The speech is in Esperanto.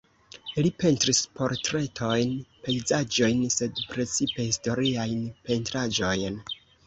Li pentris portretojn, pejzaĝojn, sed precipe historiajn pentraĵojn.